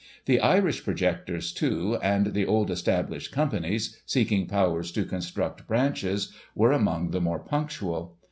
The Irish projectors, too, and the old established companies, seeking powers to construct branches, were among the more punctual.